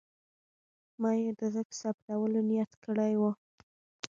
ما یې د غږ ثبتولو نیت کړی و.